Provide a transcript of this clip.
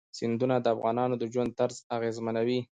سیندونه د افغانانو د ژوند طرز اغېزمنوي.